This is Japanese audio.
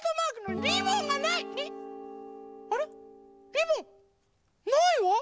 リボン？ないわ！